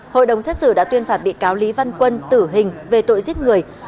hội đồng xét xử đã tuyên phạt bị cáo lý văn quân tử hình về tội giết người